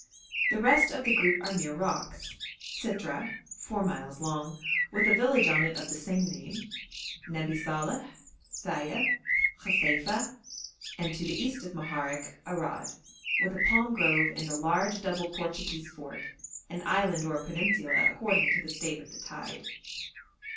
The rest of the group are mere rocks: Sitrah, four miles long, with a village on it of the same name; Nebi Saleh, Sayeh, Khaseifa, and, to the east of Moharek, Arad, with a palm grove and a large double Portuguese fort, an island or a peninsula according to the state of the tide.